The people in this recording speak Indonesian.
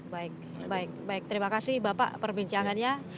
baik baik terima kasih bapak perbincangannya